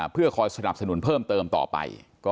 เพื่อคอยสนับสนุนเพิ่มเติมต่อไป